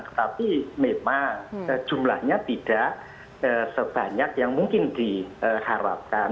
tetapi memang jumlahnya tidak sebanyak yang mungkin diharapkan